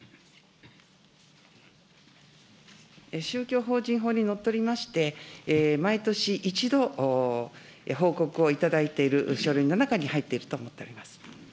宗教法人法にのっとりまして、毎年１度、報告を頂いている書類の中に入っていると思っております。